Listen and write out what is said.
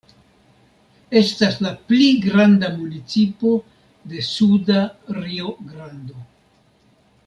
Estas la pli granda municipo de Suda Rio-Grando.